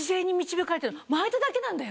巻いただけなんだよ。